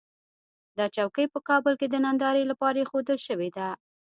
دا چوکۍ په کابل کې د نندارې لپاره اېښودل شوې ده.